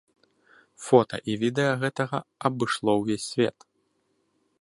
Фота і відэа гэтага абышло ўвесь свет.